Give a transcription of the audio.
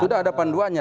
sudah ada panduannya